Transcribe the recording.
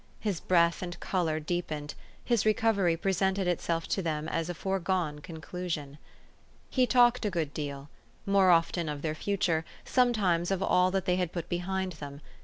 His breath and color deepened ; his recovery presented itself to them as a foregone con clusion. He talked a good deal, more often of their future, sometimes of all that they had put behind them.